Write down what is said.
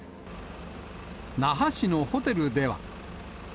那覇市のホテルでは。